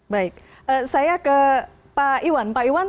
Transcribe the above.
baik saya ke pak iwan